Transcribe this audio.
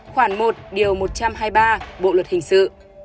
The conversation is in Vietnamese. khoảng một điều một trăm hai mươi ba bộ luật hình sự